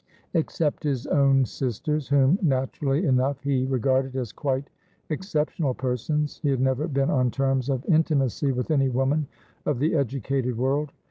Except his own sisters, whom, naturally enough, he regarded as quite exceptional persons, he had never been on terms of intimacy with any woman of the educated world.